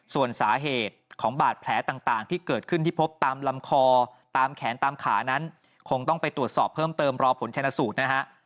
ส่วนสาเหตุของบาดแผลต่างที่เกิดขึ้นที่พบตามลำคอตามแขนตามขานั้นคงต้องไปตรวจสอบเพิ่มเติมรอผลชนะสูตรนะฮะ